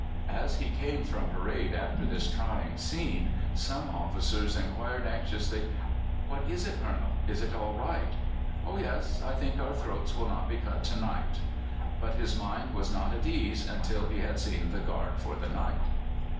As he came from parade after this trying scene, some officers inquired anxiously: "What is it, Colonel? Is it all right?" "Oh yes. I think our throats will not be cut to night." But his mind was not at ease until he had seen the guard for the night.